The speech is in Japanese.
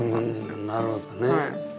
うんなるほどね。